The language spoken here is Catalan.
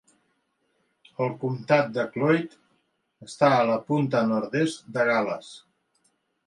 El comtat de Clwyd està a la punta nord-est de Gal·les.